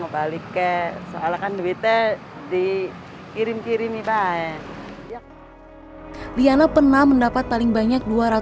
mau balik kayak seolahkan duitnya dikirim kirim ibae liana pernah mendapat paling banyak dua ratus